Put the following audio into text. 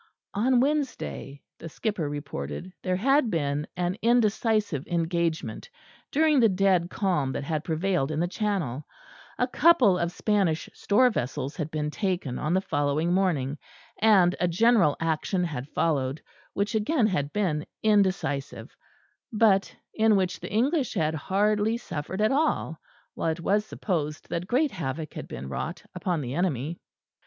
On Wednesday, the skipper reported, there had been an indecisive engagement during the dead calm that had prevailed in the Channel; a couple of Spanish store vessels had been taken on the following morning, and a general action had followed, which again had been indecisive; but in which the English had hardly suffered at all, while it was supposed that great havoc had been wrought upon the enemy.